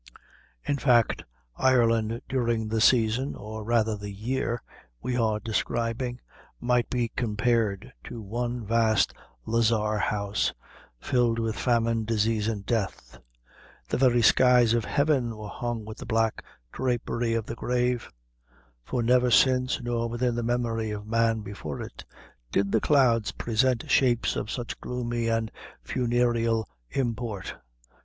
In fact, Ireland during the season, or rather the year, we are describing, might be compared to one vast lazar house filled with famine, disease and death. The very skies of Heaven were hung with the black drapery of the grave; for never since, nor within the memory of man before it, did the clouds present shapes of such gloomy and funereal import.